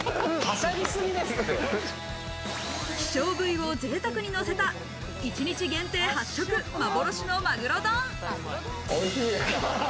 希少部位をぜいたくに乗せた一日限定８食、幻のマグロ丼。